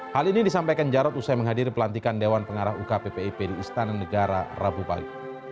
hal ini disampaikan jarod usai menghadiri pelantikan dewan pengarah ukppip di istana negara rabu pagi